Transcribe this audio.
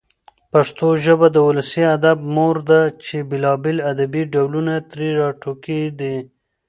پښتو ژبه د ولسي ادب مور ده چي بېلابېل ادبي ډولونه ترې راټوکېدلي دي.